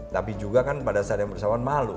tapi juga kan pada saat yang bersamaan malu